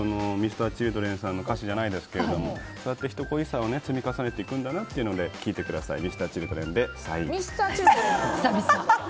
Ｍｒ．Ｃｈｉｌｄｒｅｎさんの歌詞じゃないですけどそうやって人恋しさを積み重ねていくんだなというので聞いてくださいＭｒ．Ｃｈｉｌｄｒｅｎで「ＳＩＧＮ」。